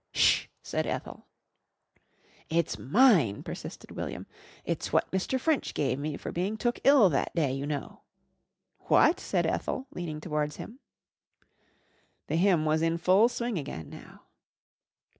"Sh!" said Ethel. "It's mine," persisted William. "It's what Mr. French give me for being took ill that day, you know." "What?" said Ethel, leaning towards him. The hymn was in full swing again now.